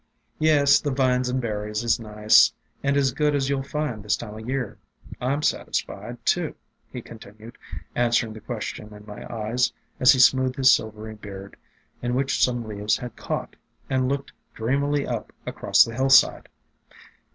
"Yes, the vines and berries is nice, and as good as you '11 find this time o' year. I 'm satisfied, too," he continued, answering the question in my eyes, as he smoothed his silvery beard, in which some leaves had caught, and looking dreamily up across the hillside.